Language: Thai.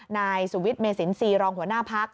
นายสุวิทย์เมสินทรีย์รองหัวหน้าพัก